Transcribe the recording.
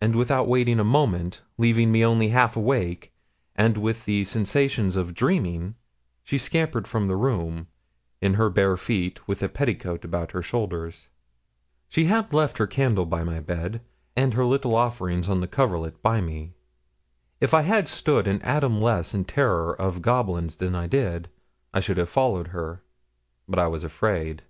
And without waiting a moment, leaving me only half awake, and with the sensations of dreaming, she scampered from the room, in her bare feet, with a petticoat about her shoulders. She had left her candle by my bed, and her little offerings on the coverlet by me. If I had stood an atom less in terror of goblins than I did, I should have followed her, but I was afraid.